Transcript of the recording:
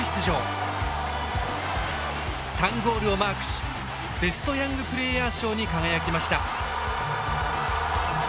３ゴールをマークしベストヤングプレーヤー賞に輝きました。